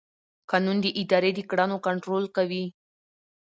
قانون د ادارې د کړنو کنټرول کوي.